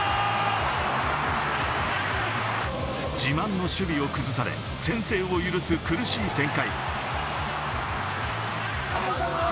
自慢の守備を崩され、先制を許す、苦しい展開。